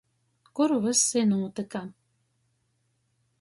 Kur vyss i nūtyka.